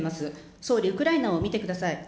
総理、ウクライナを見てください。